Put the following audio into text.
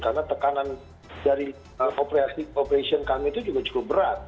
karena tekanan dari operation kami itu juga cukup berat dan untuk mendapatkan daya tahan untuk tetap beroperasional